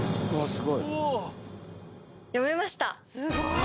すごい！